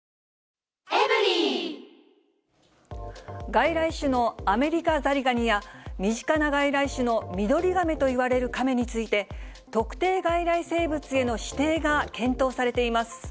外来種のアメリカザリガニや、身近な外来種のミドリガメといわれるカメについて、特定外来生物への指定が検討されています。